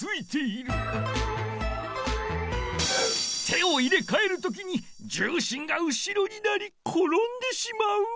手を入れかえるときに重心が後ろになりころんでしまう。